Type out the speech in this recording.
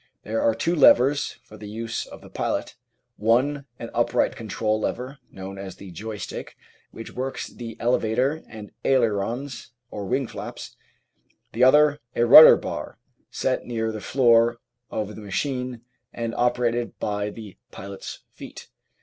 There are two levers for the use of the pilot, one an upright control lever known as the "joy stick," which works the elevator and ailerons or wing flaps, the other a rudder bar, set near the floor of the machine and operated by the pilot's feet.